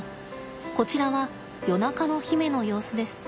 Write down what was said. こちらは夜中の媛の様子です。